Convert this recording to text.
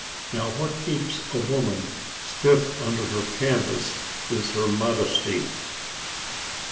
Now, what keeps a woman stiff under her canvas is her modesty."